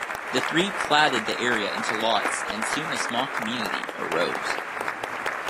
The three platted the area into lots, and soon a small community arose.